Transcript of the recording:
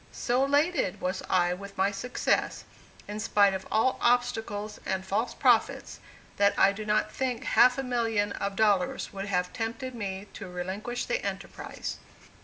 So elated was I with my success, in spite of all obstacles and false prophets, that I do not think half a million of dollars would have tempted me to relinquish the enterprise.